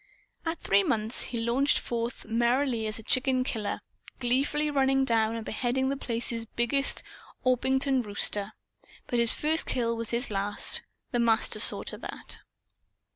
At three months he launched forth merrily as a chicken killer; gleefully running down and beheading The Place's biggest Orpington rooster. But his first kill was his last. The Master saw to that.